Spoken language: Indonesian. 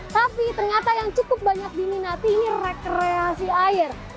tapi ternyata yang cukup banyak diminati ini rekreasi air